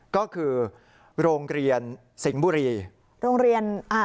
ก็คือโรงเรียนสิงห์บุรี